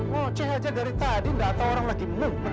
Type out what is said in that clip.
mucik saja dari tadi tidak tahu orang lagi